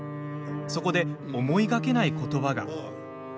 そこで思いがけない言葉が。